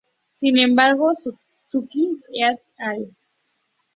Sin embargo Suzuki "et al.